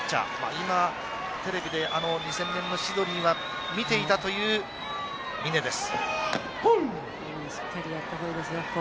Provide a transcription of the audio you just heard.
今、テレビで２０００年のシドニーは見ていたという峰です。